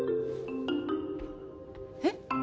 えっ？